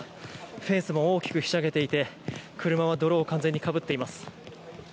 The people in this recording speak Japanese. フェンスも大きくひしゃげていて車は泥を完全にかぶっています。